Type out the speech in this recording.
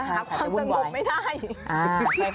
หาความสงบไม่ได้